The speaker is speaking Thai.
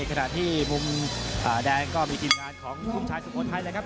ขณะที่มุมแดงก็มีทีมงานของลูกชายสุโขทัยเลยครับ